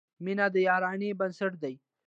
• مینه د یارانې بنسټ دی.